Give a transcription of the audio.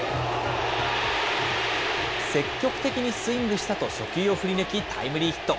積極的にスイングしたと初球を振り抜き、タイムリーヒット。